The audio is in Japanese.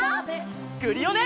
クリオネ！